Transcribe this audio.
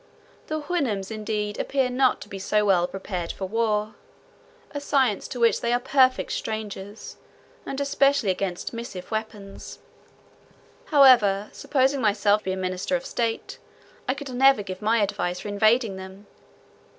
The Houyhnhnms indeed appear not to be so well prepared for war, a science to which they are perfect strangers, and especially against missive weapons. However, supposing myself to be a minister of state, I could never give my advice for invading them.